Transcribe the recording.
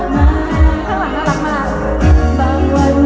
ถ้าคิดกับฉันแม้วิน